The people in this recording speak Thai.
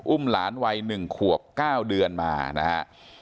หลานวัย๑ขวบ๙เดือนมานะฮะ